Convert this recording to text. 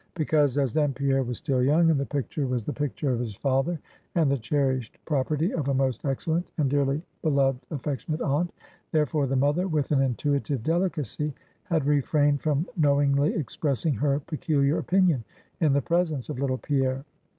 Because, as then Pierre was still young, and the picture was the picture of his father, and the cherished property of a most excellent, and dearly beloved, affectionate aunt; therefore the mother, with an intuitive delicacy, had refrained from knowingly expressing her peculiar opinion in the presence of little Pierre.